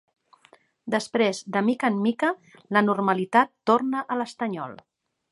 Després, de mica en mica, la normalitat torna a l'estanyol.